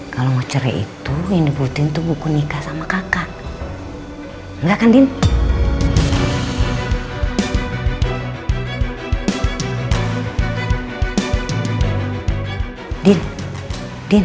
kalau mau cerai itu ini putin tuh buku nikah sama kakak enggak kan din din din